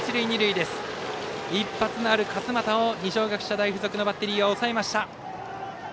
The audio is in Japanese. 一発のある勝股を二松学舎大付属のバッテリーが抑えました。